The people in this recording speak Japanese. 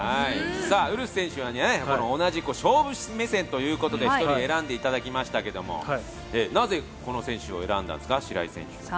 ウルフ選手は同じ勝負師目線ということで１人選んでいただきましたけど、なぜ白井選手を選んだんですか？